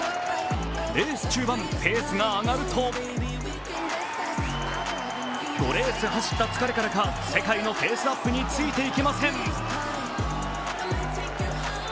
レース中盤、ペースが上がると５レース走った疲れから世界のペースアップについていけません。